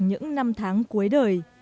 những năm tháng cuối đời